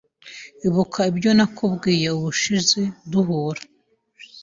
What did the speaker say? Ibuka ibyo nakubwiye ubushize duhuye.